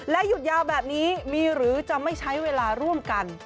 หยุดยาวแบบนี้มีหรือจะไม่ใช้เวลาร่วมกัน